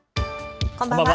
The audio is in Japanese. こんばんは。